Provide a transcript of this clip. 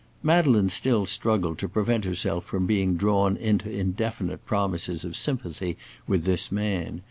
Madeleine still struggled to prevent herself from being drawn into indefinite promises of sympathy with this man.